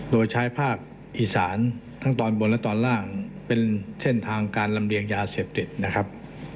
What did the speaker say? โดยใช้ภาคอีสานทั้งตอนบนและตอนล่างเป็นเส้นทางการลำเลียงยาเสพติดนะครับ